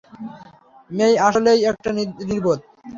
মেই আসলেই একটা নির্বোধ।